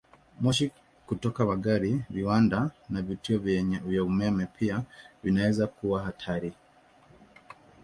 Moshi kutoka magari, viwanda, na vituo vya umeme pia vinaweza kuwa hatari.